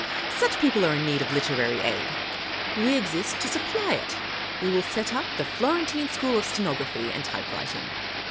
Such people are sure to need literary aid. We exist to supply it. We will set up the Florentine School of Stenography and Typewriting.